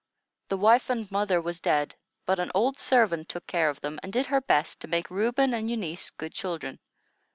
The wife and mother was dead; but an old servant took care of them, and did her best to make Reuben and Eunice good children.